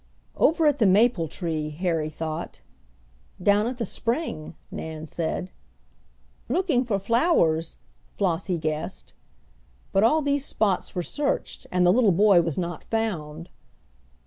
"Over at the maple tree!" Harry thought. "Down at the spring," Nan said. "Looking for flowers," Flossie guessed. But all these spots were searched, and the little boy was not found.